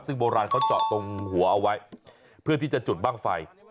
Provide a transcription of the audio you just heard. ซึ่งโบราณเขาเจาะตรงหัวเอาไว้เพื่อที่จะจุดบ้างไฟ